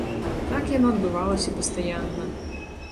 Так яно адбывалася пастаянна.